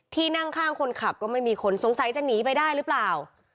ที่นั่งข้างคนขับก็ไม่มีคนสงสัยจะหนีไปได้หรือเปล่า